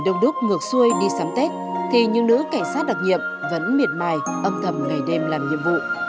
đông đúc ngược xuôi đi sắm tết thì những nữ cảnh sát đặc nhiệm vẫn miệt mài âm thầm ngày đêm làm nhiệm vụ